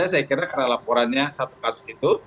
karena saya kira karena laporannya satu kasus itu